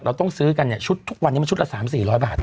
เราต้องซื้อกันเนี่ยชุดทุกวันนี้มันชุดละ๓๔๐๐บาท